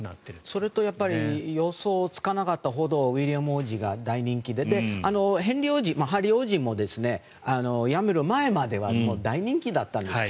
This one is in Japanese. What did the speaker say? それと予想がつかなかったほどウィリアム王子が大人気でヘンリー王子もやめる前までは大人気だったんです。